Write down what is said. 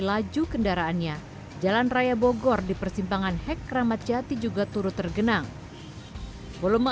laju kendaraannya jalan raya bogor di persimpangan hekramat jati juga turut tergenang volume